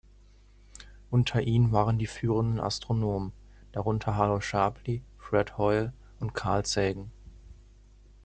Unter ihnen waren die führenden Astronomen, darunter Harlow Shapley, Fred Hoyle und Carl Sagan.